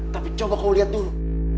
tapi coba kau lihat dulu